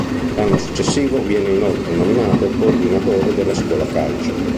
L’anno successivo viene inoltre nominato Coordinatore della Scuola Calcio.